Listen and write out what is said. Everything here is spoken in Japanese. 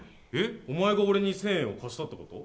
お前が俺に１０００円貸したってこと？